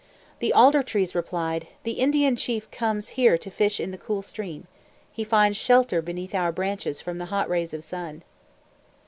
The Alder Trees replied, "The Indian Chief comes here to fish in the cool stream. He finds shelter, beneath our branches, from the hot rays of Sun!"